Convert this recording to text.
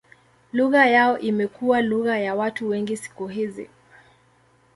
Lugha yao imekuwa lugha ya watu wengi siku hizi.